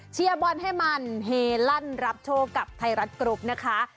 บอลให้มันเฮลั่นรับโชคกับไทยรัฐกรุ๊ปนะคะ